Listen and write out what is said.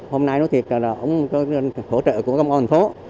hôm nay nói thiệt là cũng có hỗ trợ của công an phố